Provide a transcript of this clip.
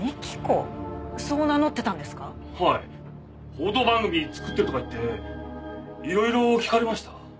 報道番組作ってるとか言って色々聞かれました。